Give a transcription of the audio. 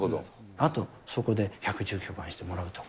あと、そこで１１９番してもらうとか。